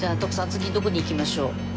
次どこに行きましょう？